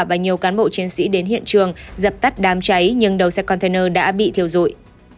và nhiều cán bộ chiến sĩ đến hiện trường dập tắt đám cháy nhưng đầu xe container đã bị thiêu dụi